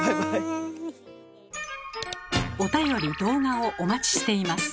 おたより・動画をお待ちしています。